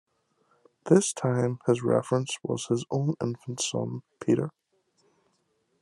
This time his reference was his own infant son, Peter.